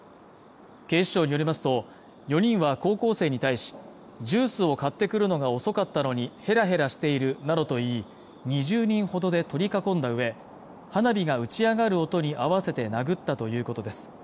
警視庁によりますと４人は高校生に対しジュースを買ってくるのが遅かったのにヘラヘラしているなどと言い２０人ほどで取り囲んだうえ花火が打ち上がる音に合わせて殴ったということです